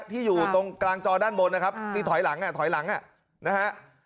ที่อยู่ตรงกลางจอด้านบนนะครับที่ถอยหลังถอยหลังนะฮะ